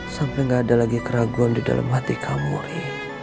sampai gak ada lagi keraguan di dalam hati kamuri